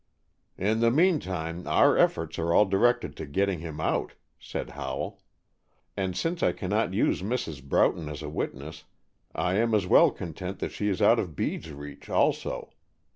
"In the meantime, our efforts are all directed to getting him out," said Howell. "And since I cannot use Mrs. Broughton as a witness, I am as well content that she is out of Bede's reach, also.